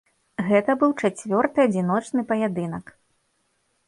Гэта быў чацвёрты адзіночны паядынак.